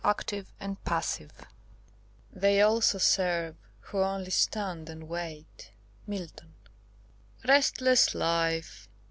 ACTIVE AND PASSIVE "They also serve who only stand and wait."–MILTON. "RESTLESS life!